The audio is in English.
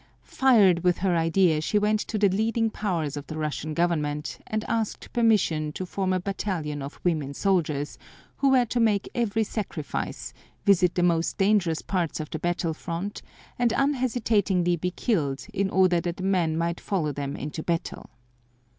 Fired with her idea she went to the leading powers of the Russian Government and asked permission to form a battalion of women soldiers, who were to make every sacrifice, visit the most dangerous parts of the battle front, and unhesitatingly be killed in order that the men might follow them into battle.